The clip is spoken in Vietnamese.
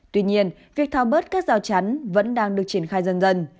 tuy nhiên việc thao bớt các rào chắn vẫn đang được triển khai dần dần